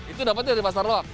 itu dapet dari pasar loak